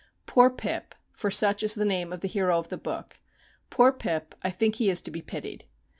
Poor Pip for such is the name of the hero of the book poor Pip, I think he is to be pitied.